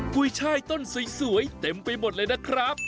กุ้ยช่ายต้นสวยเต็มไปหมดเลยนะครับ